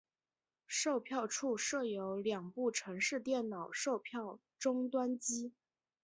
售票处设有两部城市电脑售票终端机。